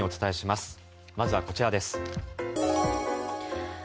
まずはこちらです。